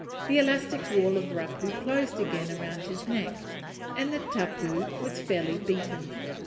The elastic wall of raupo closed again around his neck; and the tapu was fairly beaten!